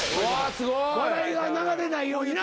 笑いが流れないようにな。